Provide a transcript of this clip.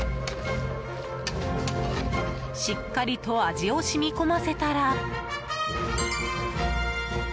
しっかりと味を染み込ませたら。